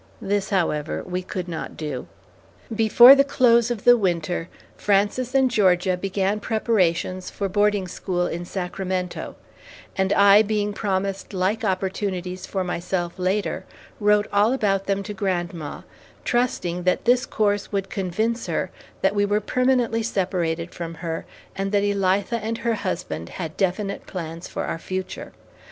This, however, we could not do. Before the close of the Winter, Frances and Georgia began preparations for boarding school in Sacramento, and I being promised like opportunities for myself later, wrote all about them to grandma, trusting that this course would convince her that we were permanently separated from her, and that Elitha and her husband had definite plans for our future.